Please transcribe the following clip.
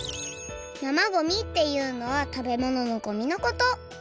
生ごみっていうのは食べ物のごみのこと。